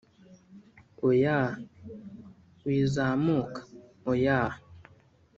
Oya … Wizamuka … oya